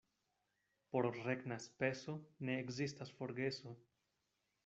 Por regna speso ne ekzistas forgeso.